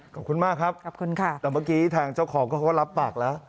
ขอบคุณมากครับแต่เมื่อกี้ทางเจ้าของก็รับปากแล้ว